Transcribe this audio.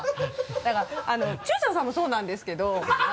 だから中條さんもそうなんですけど。